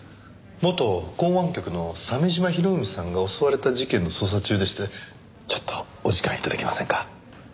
元港湾局の鮫島博文さんが襲われた事件の捜査中でしてちょっとお時間頂けませんか？